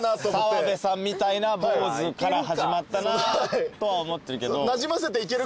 澤部さんみたいな坊主から始まったなとは思ってるけど。